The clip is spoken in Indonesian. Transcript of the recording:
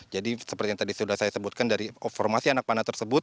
jadi seperti yang tadi sudah saya sebutkan dari formasi anak panah tersebut